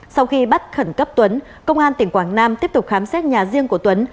sau khi bắt khẩn cấp tuấn công an tỉnh quảng nam tiếp tục khám xét nhà riêng của tuấn